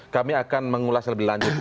kami akan mengulas lebih lanjut